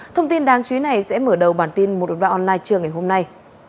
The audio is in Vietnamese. thông tin đáng chú ý này sẽ mở đầu bản tin một đồng đoạn online trưa ngày hôm nay